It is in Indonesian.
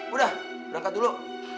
udah berangkat dulu